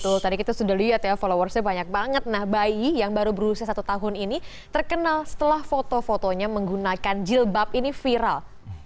betul tadi kita sudah lihat ya followersnya banyak banget nah bayi yang baru berusia satu tahun ini terkenal setelah foto fotonya menggunakan jilbab ini viral